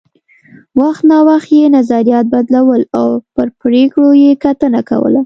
وخت نا وخت یې نظریات بدلول او پر پرېکړو یې کتنه کوله